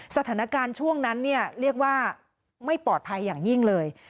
สถานการณ์ช่วงนั้นเนี่ยเรียกว่าไม่ปลอดภัยอย่างยิ่งเลย